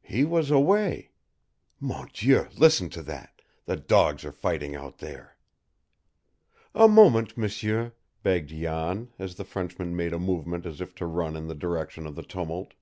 "He was away. Mon Dieu, listen to that! The dogs are fighting out there!" "A moment, m'sieur," begged Jan, as the Frenchman made a movement as if to run in the direction of the tumult.